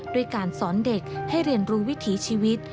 ด้วยการสอนเด็กให้เรียนรู้วิถีชีวิต